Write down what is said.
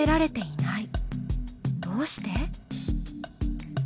どうして？